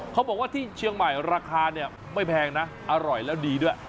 เขาบอกว่าที่เชียงใหม่ราคาเนี่ยไม่แพงนะอร่อยแล้วดีด้วย